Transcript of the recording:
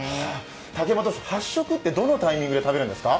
竹山投手、８食ってどのタイミングで食べるんですか？